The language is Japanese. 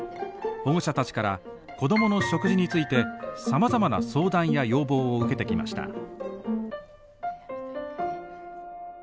保護者たちから子供の食事についてさまざまな相談や要望を受けてきました。